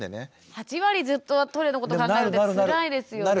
８割ずっとトイレのこと考えるってつらいですよね。